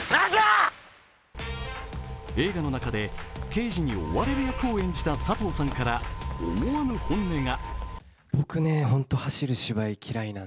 映画の中で刑事に追われる役を演じた佐藤さんから、思わぬ本音が。